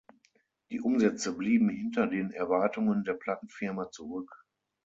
Die Umsätze blieben hinter den Erwartungen der Plattenfirma zurück.